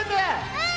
うん！